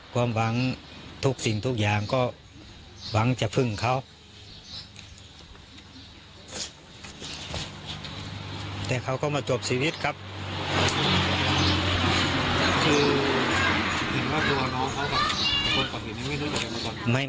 คือเห็นว่าตัวน้องเขากับคนปกติยังไม่รู้จักกันมาก่อน